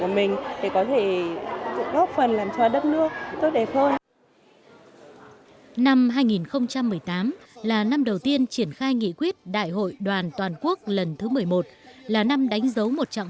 uy tín vềaccounting cho lúc th freshman dư vụillage dưỡng dục công việc này